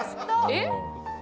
えっ？